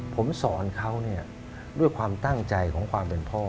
ผมสอนเขาด้วยความตั้งใจของความเป็นพ่อ